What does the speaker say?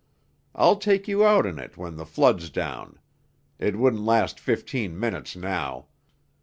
I'll take you out in it when the flood's down; it wouldn't last fifteen minutes now.